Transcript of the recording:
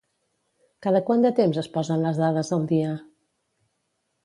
Cada quant de temps es posen les dades al dia?